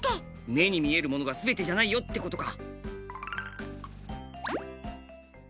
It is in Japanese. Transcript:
目に見えるものが全てじゃないよってことか。